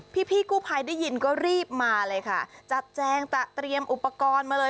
พี่พี่กู้ภัยได้ยินก็รีบมาเลยค่ะจัดแจงเตรียมอุปกรณ์มาเลย